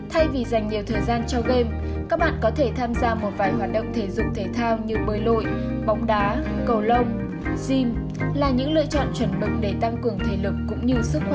thay vì dành nhiều thời gian cho game các bạn có thể tham gia một vài hoạt động thể dục thể thao như bơi lội bóng đá cầu lông sim là những lựa chọn chuẩn mực để tăng cường thể lực cũng như sức khỏe